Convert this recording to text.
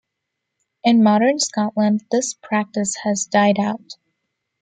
In modern Scotland this practice has died out.